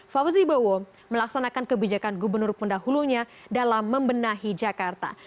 fauzi bowo melaksanakan kebijakan gubernur pendahulunya dalam membenahi jakarta